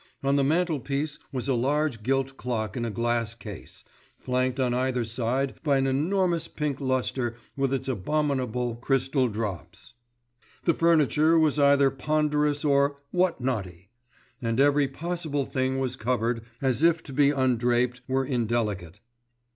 On the mantel piece was a large gilt clock in a glass case, flanked on either side by an enormous pink lustre with its abominable crystal drops. The furniture was either ponderous or "what notty", and every possible thing was covered, as if to be undraped were indelicate.